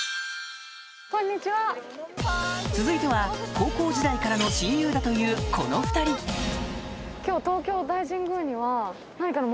続いては高校時代からの親友だというこの２人へぇ。